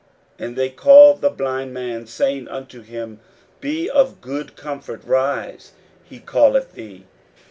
And they call the blind man, saying unto him, Be of good comfort, rise; he calleth thee.